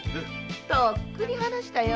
とっくに話したよ。